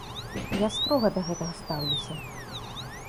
Я строга да гэтага стаўлюся.